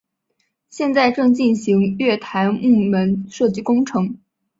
现在正进行月台幕门设置工程。